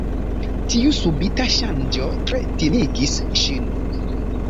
Tiu subita ŝanĝo tre timigis ŝin.